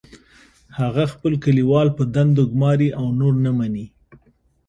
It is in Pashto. هغه خپل کلیوال په دندو ګماري او نور نه مني